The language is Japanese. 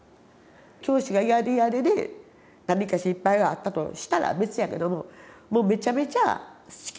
「教師が嫌で嫌で」で何か失敗があったとしたら別やけどももうめちゃめちゃ好きで好きでなった教師ですやん。